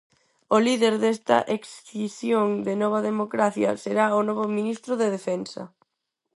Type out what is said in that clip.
O líder desta excisión de Nova Democracia será o novo ministro de Defensa.